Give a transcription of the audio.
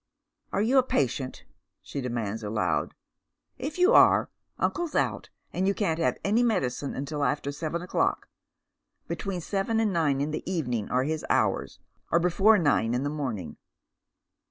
" Are yon • patient ?" she demands aloud. " If you are, uncle's out, and you can't have any medicine till after seven o'clock. Between seven and nine in the evening are his hours, or before nine in the morning."